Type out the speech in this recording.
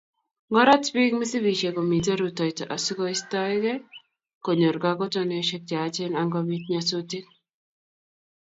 Ngorat biik msipisyek ngomitei rutoito koistoegee konyoor kagotonosyek cheyachen angobiit nyasutiik.